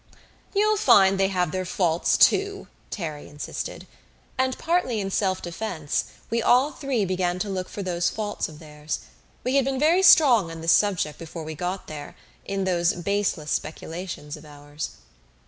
"You'll find they have their faults too," Terry insisted; and partly in self defense, we all three began to look for those faults of theirs. We had been very strong on this subject before we got there in those baseless speculations of ours.